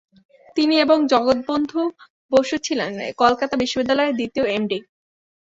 তিনি এবং জগৎবন্ধু বসু ছিলেন কলকাতা বিশ্ববিদ্যালয়ের দ্বিতীয় এমডি।